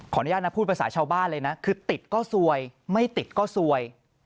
อนุญาตนะพูดภาษาชาวบ้านเลยนะคือติดก็ซวยไม่ติดก็ซวย